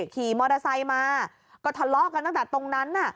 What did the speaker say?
ขี่มอเตอร์ไซค์มาก็ทะเลาะกันตั้งแต่ตรงนั้น